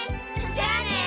じゃあね！